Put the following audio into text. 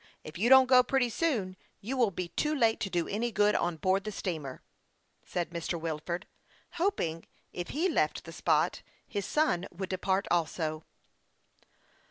If you don't go pretty soon you will be too late to do any good on board the steamer," said Mr. Wilford, per haps hoping, if he left the spot, his son would depart also.